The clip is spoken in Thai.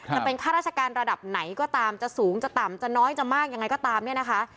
จะเป็นข้าราชการระดับไหนก็ตามจะสูงจะต่ำจะน้อยจะมากยังไงก็ตามเนี่ยนะคะ